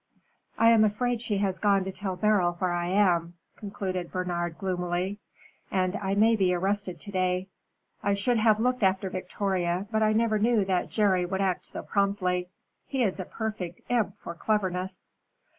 I am afraid she has gone to tell Beryl where I am," concluded Bernard, gloomily. "And I may be arrested to day. I should have looked after Victoria, but I never knew that Jerry would act so promptly. He is a perfect imp for cleverness."